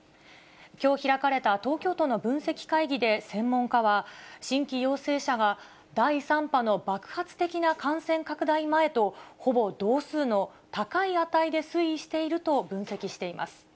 きょう開かれた東京都の分析会議で、専門家は、新規陽性者が第３波の爆発的な感染拡大前とほぼ同数の高い値で推移していると分析しています。